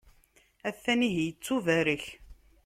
A-t-an ihi, ittubarek.